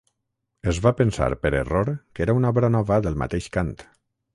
Es va pensar per error que era una obra nova del mateix Kant.